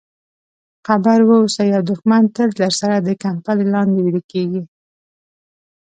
خبر واوسه یو دښمن تل درسره د کمپلې لاندې ویده کېږي.